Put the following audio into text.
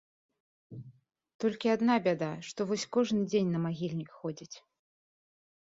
Толькі адна бяда, што вось кожны дзень на магільнік ходзіць.